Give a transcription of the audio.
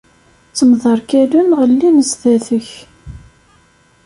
Ttemderkalen, ɣellin sdat-k.